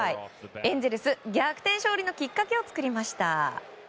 エンゼルス、逆転勝利のきっかけを作りました。